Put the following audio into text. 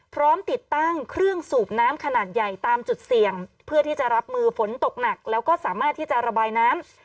พร้อมติดตั้งเครื่องสูบน้ำขนาดใหญ่ตามจุดเสี่ยงเพื่อที่จะรับมือฝนตกหนักแล้วก็สามารถที่จะระบายน้ำ